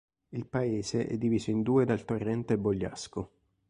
Il paese è diviso in due dal torrente Bogliasco.